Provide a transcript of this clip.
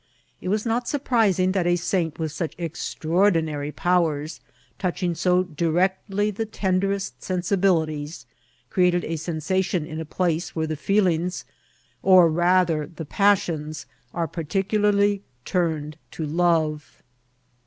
It was not surprising that a saint with such extraordinary powers, touching so di rectly the tenderest sensibilities, created a sensation in a place where the feelings, or, rather, the passions, are particularly turned to love.